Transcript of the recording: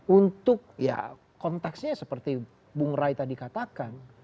untuk ya konteksnya seperti bung rai tadi katakan